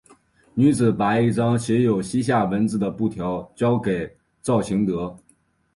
女子把一张写有西夏文字的布条交给赵行德。